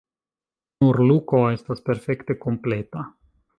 Nur Luko estas perfekte kompleta.